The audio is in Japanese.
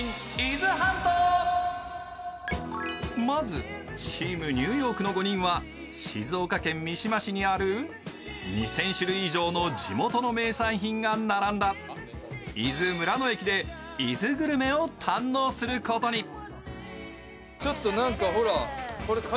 まずチーム・ニューヨークの５人は静岡県三島市にある２０００種類以上の地元の名産品が並んだ伊豆・村の駅で伊豆グルメを堪能することに。